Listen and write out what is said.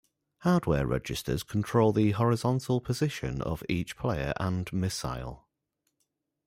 Hardware registers control the horizontal position of each player and missile.